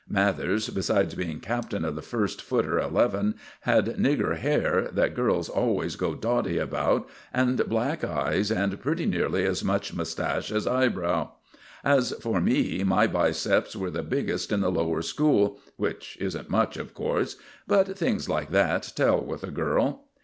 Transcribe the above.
Mathers, besides being captain of the First Footer eleven, had nigger hair, that girls always go dotty about, and black eyes, and pretty nearly as much mustache as eyebrow. As for me, my biceps were the biggest in the lower school, which isn't much, of course; but things like that tell with a girl.